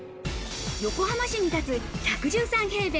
横浜市に立つ１１３平米。